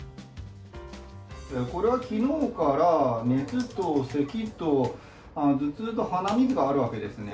これは、きのうから熱とせきと頭痛と鼻水があるわけですね？